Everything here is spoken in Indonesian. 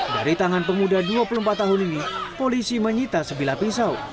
dari tangan pemuda dua puluh empat tahun ini polisi menyita sebilah pisau